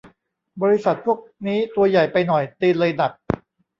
บริษัทพวกนี้ตัวใหญ่ไปหน่อย ตีนเลยหนัก